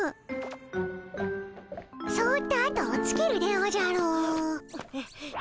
そっと後をつけるでおじゃる。